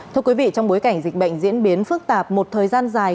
thưa quý vị trong bối cảnh dịch bệnh diễn biến phức tạp một thời gian dài